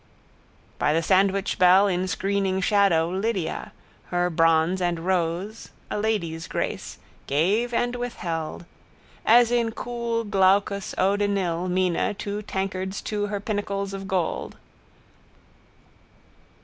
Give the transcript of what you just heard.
By the sandwichbell in screening shadow Lydia, her bronze and rose, a lady's grace, gave and withheld: as in cool glaucous eau de Nil Mina to tankards two her pinnacles of gold.